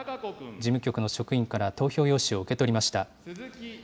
事務局の職員から投票用紙を受け取りました。